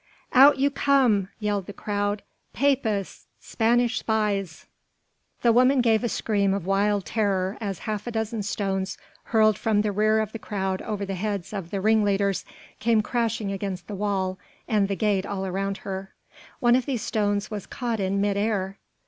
"Out you come!" yelled the crowd. "Papists! Spanish spies!" The woman gave a scream of wild terror as half a dozen stones hurled from the rear of the crowd over the heads of the ringleaders came crashing against the wall and the gate all around her. One of these stones was caught in mid air.